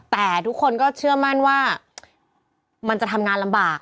แต่ทุกคนก็เชื่อมั่นว่ามันจะทำงานลำบาก